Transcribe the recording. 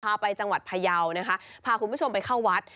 พาไปจังหวัดพยาวนะคะพาคุณผู้ชมไปเข้าวัด